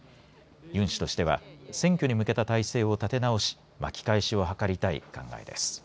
ユン氏としては選挙に向けた態勢を立て直し巻き返しを図りたい考えです。